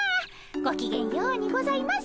ごきげんようにございます。